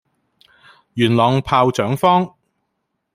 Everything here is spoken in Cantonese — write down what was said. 元朗炮仗坊